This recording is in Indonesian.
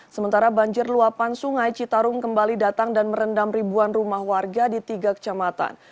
sementara banjir luapan sungai citarum kembali datang dan merendam ribuan rumah warga di tiga kecamatan